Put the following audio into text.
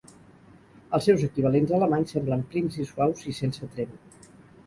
Els seus equivalents alemanys semblen prims i suaus i sense tremp.